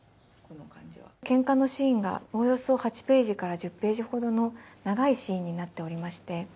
けんかのシーンが、およそ８ページから１０ページほどの長いシーンになっておりまし